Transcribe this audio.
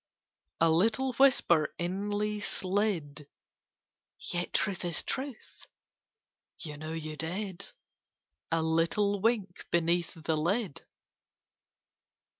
A little whisper inly slid, "Yet truth is truth: you know you did." A little wink beneath the lid.